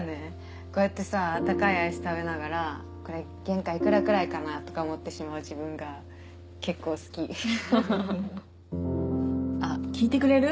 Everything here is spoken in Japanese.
こうやってさ高いアイス食べながらこれ原価いくらくらいかなとか思ってしまう自分が結構好きあっ聞いてくれる？